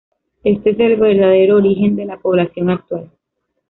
Este es el verdadero origen de la población actual.